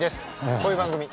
こういう番組。